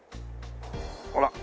ほら。